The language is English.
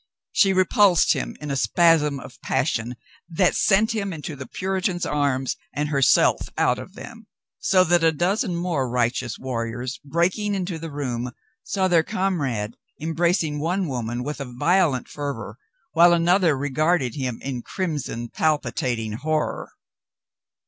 She repulsed him in a spasm of passion that sent him into the Puritan's arms and herself out of them. So that a dozen morp righteous warriors, breaking into the room, saw their comrade embracing one woman with a violent fer vor, while another regarded him in crimson, palpi tating horror.